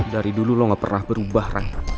dari dulu lo gak pernah berubah rangka